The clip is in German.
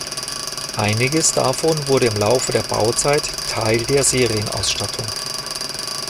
Einiges davon wurde im Laufe der Bauzeit Teil der Serienausstattung.